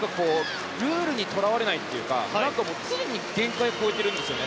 ルールにとらわれないというか常に限界を超えてるんですね。